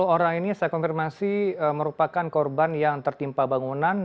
sepuluh orang ini saya konfirmasi merupakan korban yang tertimpa bangunan